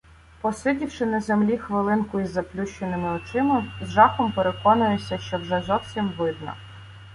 Посидівши на землі хвилинку із заплющеними очима, з жахом переконуюся, що вже зовсім видно.